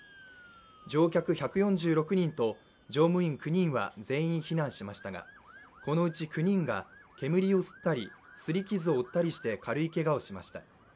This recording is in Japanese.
乗客１４６人と乗務員９人は全員避難しましたがこのうち９人が煙を吸ったり、すり傷を負ったりして軽いけがをしました。